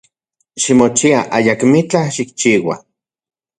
Ximochia, ayakmitlaj xikchiua.